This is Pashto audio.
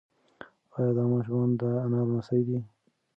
ایا دا ماشوم د انا لمسی دی؟